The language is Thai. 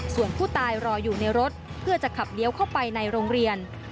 ส่วนผู้ตายรออยู่ในรถเพื่อจะขับเลี้ยวเข้าไปในโรงเรียน